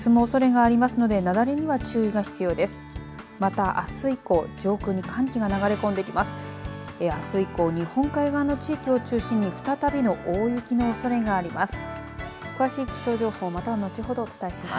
あす以降、日本海側の地域を中心に再びの大雪のおそれがあります。